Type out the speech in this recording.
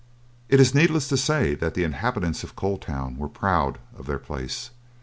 It is needless to say that the inhabitants of Coal Town were proud of their place.